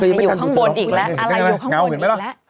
อะไรอยู่ข้างบนอีกละอะไรอยู่ข้างบนอีกละ